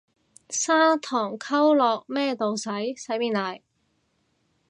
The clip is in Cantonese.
砂糖溝落咩度洗，洗面奶？